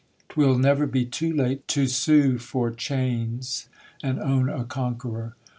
'Twill never be too late To sue for chains, and own a conqueror.